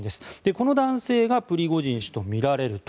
この男性がプリゴジン氏とみられると。